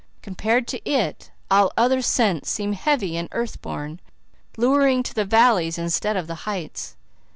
Compared to it, all other scents seem heavy and earth born, luring to the valleys instead of the heights.